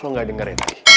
lo gak denger ya tadi